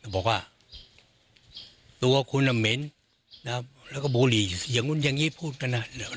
บอกว่าตัวคุณเหม็นแล้วก็บุหรี่อย่างนู้นอย่างนี้พูดกันอ่ะ